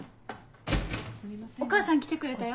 お母さん来てくれたよ。